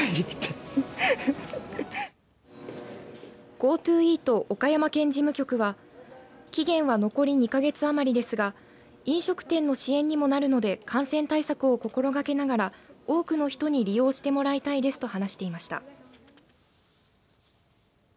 ＧｏＴｏイート岡山県事務局は期限は残り２か月余りですが飲食店の支援にもなるので感染対策を心がけながら多くの人に利用してもらいたいですと話していました。